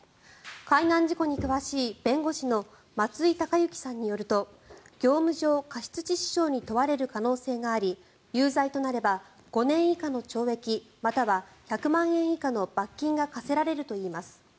海難事故に詳しい弁護士の松井孝之さんによると業務上過失致死傷に問われる可能性があり有罪となれば５年以下の懲役または１００万円以下の罰金が科せられるといいます。